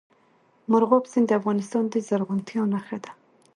مورغاب سیند د افغانستان د زرغونتیا نښه ده.